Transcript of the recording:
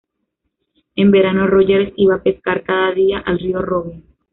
En verano Rogers iba a pescar cada día al río Rogue.